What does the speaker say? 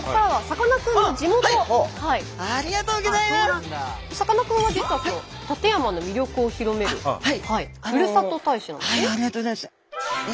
さかなクンは実は館山の魅力を広めるふるさと大使なんですね。